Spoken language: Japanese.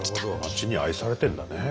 町に愛されてるんだね。